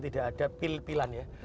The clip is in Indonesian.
tidak ada pil pilan ya